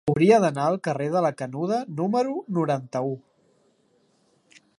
Hauria d'anar al carrer de la Canuda número noranta-u.